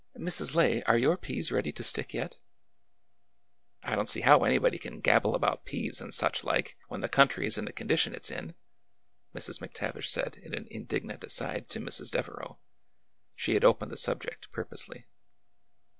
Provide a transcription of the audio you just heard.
" Mrs. Lay, are your peas ready to stick yet ?"" I don't see how anybody can gabble about peas and such like when the country is in the condition it 's in !" Mrs. McTavish said in an indignant aside to Mrs. Dev ereau. She had opened the subject purposely.